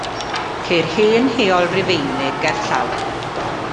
Ceir hen heol Rufeinig gerllaw.